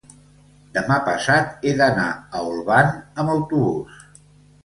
demà passat he d'anar a Olvan amb autobús.